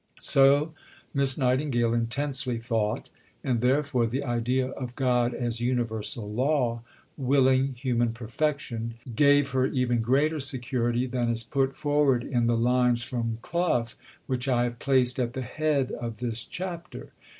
So Miss Nightingale intensely thought; and, therefore, the idea of God as Universal Law, willing human perfection, gave her even greater security than is put forward in the lines from Clough which I have placed at the head of this chapter.